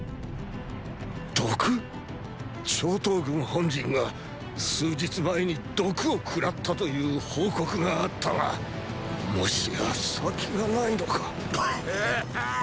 毒⁉張唐軍本陣が数日前に毒を喰らったという報告があったがもしや先が無いのか⁉グッガハァッ！